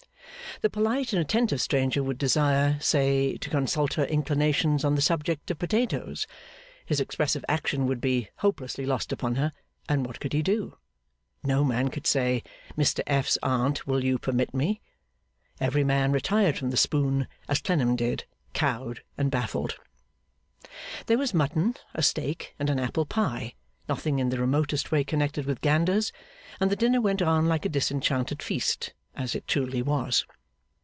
The polite and attentive stranger would desire, say, to consult her inclinations on the subject of potatoes. His expressive action would be hopelessly lost upon her, and what could he do? No man could say, 'Mr F.'s Aunt, will you permit me?' Every man retired from the spoon, as Clennam did, cowed and baffled. There was mutton, a steak, and an apple pie nothing in the remotest way connected with ganders and the dinner went on like a disenchanted feast, as it truly was.